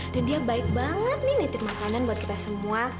dan dia baik banget nih menitip makanan buat kita semua